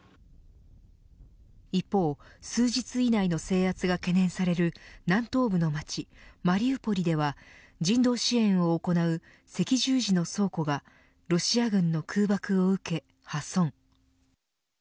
一方、数日以内の制圧が懸念される南東部の町マリウポリでは人道支援を行う赤十字の倉庫がロシア軍の空爆を受け破損。